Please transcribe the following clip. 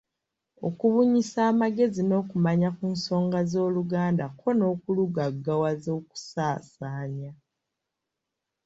Okubunyisa amagezi n’okumanya ku nsonga z’Oluganda ko n’okulugaggawaza Okusaasaanya